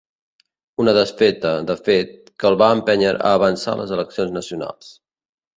Una desfeta, de fet, que el va empènyer a avançar les eleccions nacionals.